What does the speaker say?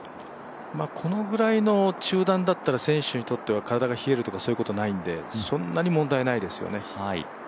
このぐらいの中断だったら選手にとっては体が冷えるとかないんでそんなに問題ないですよね。